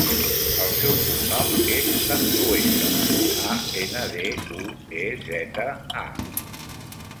El seu cognom és Andueza: a, ena, de, u, e, zeta, a.